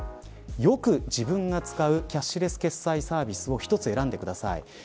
よく自分が使うキャッシュレス決済サービスを１つ選んでください。